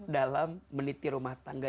dalam meniti rumah tangga